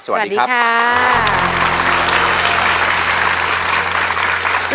สวัสดีครับ